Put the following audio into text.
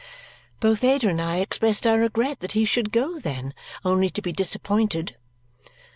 Both Ada and I expressed our regret that he should go, then, only to be disappointed.